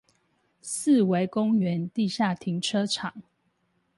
四維公園地下停車場